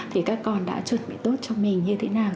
thì các con đã chuẩn bị tốt cho mình như thế nào